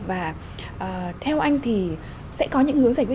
và theo anh thì sẽ có những hướng giải quyết